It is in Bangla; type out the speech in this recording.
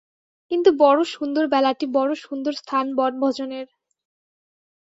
কিন্তু বড় সুন্দর বেলাটি-বড় সুন্দর স্থান বন-ভোজনের!